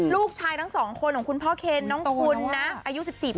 ลูกชายทั้งสองคนของคุณพ่อเคนน้องคุณนะอายุ๑๔ปี